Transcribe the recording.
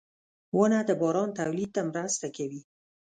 • ونه د باران تولید ته مرسته کوي.